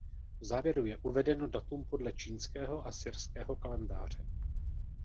V závěru je uvedeno datum podle čínského a syrského kalendáře.